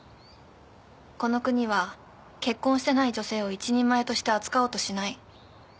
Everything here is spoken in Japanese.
この国は結婚してない女性を一人前として扱おうとしない。